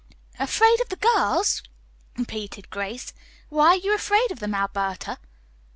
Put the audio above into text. "'Afraid of the girls!'" repeated Grace. "Why are you afraid of them, Alberta?"